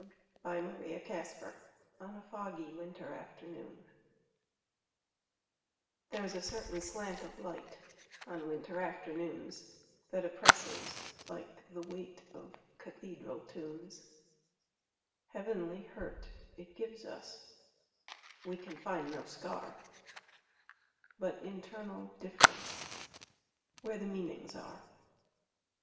1924. Part Two: Nature LXXXII THERE'S a certain slant of light, On winter afternoons, That oppresses, like the weightOf cathedral tunes. Heavenly hurt it gives us; We can find no scar, But internal differenceWhere the meanings are.